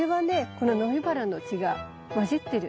このノイバラの血が混じってる。